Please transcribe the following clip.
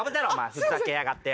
ふざけやがってよ。